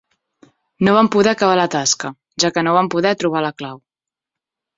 No van poder acabar la tasca, ja que no van poder trobar la clau.